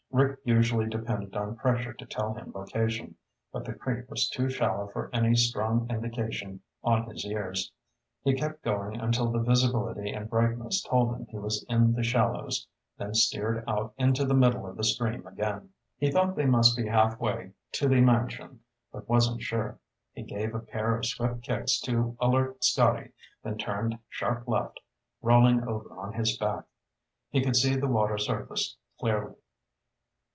Rick usually depended on pressure to tell him location, but the creek was too shallow for any strong indication on his ears. He kept going until the visibility and brightness told him he was in the shallows, then steered out into the middle of the stream again. He thought they must be halfway to the mansion, but wasn't sure. He gave a pair of swift kicks to alert Scotty, then turned sharp left, rolling over on his back. He could see the water surface clearly.